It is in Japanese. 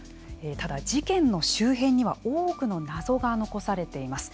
ただ、事件の周辺には多くの謎が残されています。